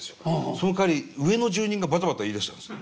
そのかわり上の住人がバタバタ言いだしたんですよ。